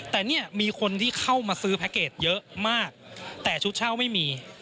แต่เนี่ยมีคนที่เข้ามาซื้อแพ็คเกจเยอะมากแต่ชุดเช่าไม่มี